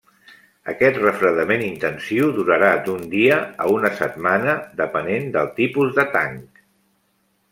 Aquest refredament intensiu durarà d'un dia a una setmana, depenent del tipus de tanc.